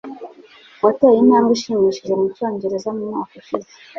wateye intambwe ishimishije mucyongereza mu mwaka ushize